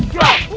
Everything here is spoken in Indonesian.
aduh kayak gitu